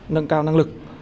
nâng cao năng lực